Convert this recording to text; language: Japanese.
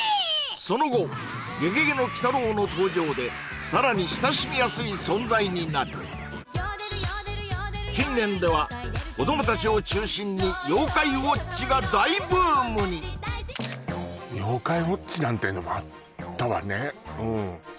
その後「ゲゲゲの鬼太郎」の登場でさらに親しみやすい存在になり近年では子どもたちを中心に「妖怪ウォッチ」が大ブームに「妖怪ウォッチ」なんてのもあったわね